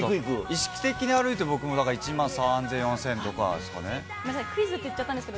意識的に歩いても、僕、１万３０００、４０００とかですね。